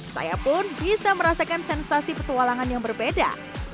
saya pun bisa merasakan sensasi petualangan yang berbeda